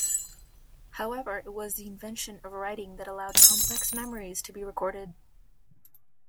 However it was the invention of writing that allowed complex memories to be recorded.